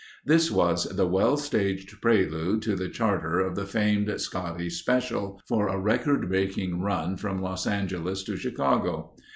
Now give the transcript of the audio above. This was the well staged prelude to the charter of the famed Scotty Special for a record breaking run from Los Angeles to Chicago.